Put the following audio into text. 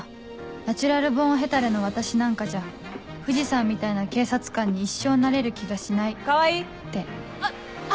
ナチュラルボーンヘタレの私なんかじゃ藤さんみたいな警察官に一生なれる気がしないって川合！